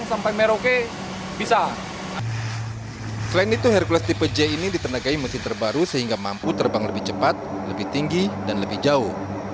selain itu hercules tipe j ini ditenagai mesin terbaru sehingga mampu terbang lebih cepat lebih tinggi dan lebih jauh